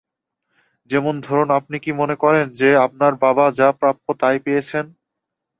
যেমন ধরুন, আপনি কি মনে করেন যে আপনার বাবা যা প্রাপ্য তাই পেয়েছেন?